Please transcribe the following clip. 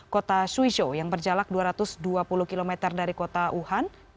kota shuizhou yang berjarak dua ratus dua puluh km dari kota wuhan